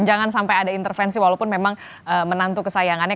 jangan sampai ada intervensi walaupun memang menantu kesayangannya